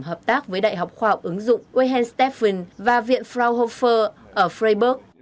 hợp tác với đại học khoa học ứng dụng weyhensteffen và viện fraunhofer ở freiburg